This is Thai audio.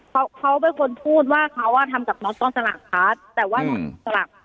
เขาเขาเป็นคนพูดว่าเขาว่าทำกับน็อตต้องสลักพลัสแต่ว่าสลัก